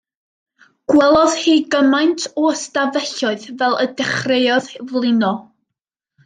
Gwelodd hi gymaint o ystafelloedd fel y dechreuodd flino.